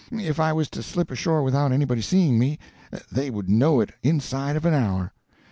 If I was to slip ashore without anybody seeing me, they would know it inside of an hour."